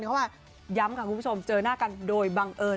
เขามาย้ำค่ะคุณผู้ชมเจอหน้ากันโดยบังเอิญ